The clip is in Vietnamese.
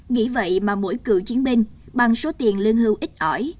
nghĩ vậy mà mỗi cựu chiến binh bằng số tiền lương hưu ít ỏi